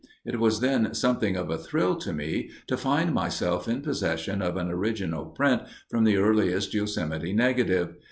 It was then something of a thrill to me to find myself in possession of an original print from the earliest Yosemite negative.